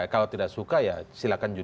ini kan dulu